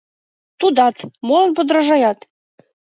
Тудат, молат подражаят.